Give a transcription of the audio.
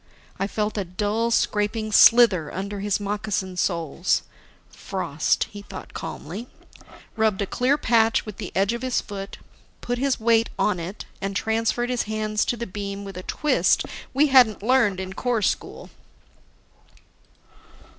I felt a dull, scraping slither under his moccasin soles. "Frost," he thought calmly, rubbed a clear patch with the edge of his foot, put his weight on it, and transferred his hands to the beam with a twist we hadn't learned in Corps school.